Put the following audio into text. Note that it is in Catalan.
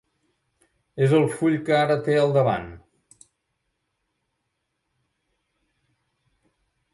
És el full que ara té al davant.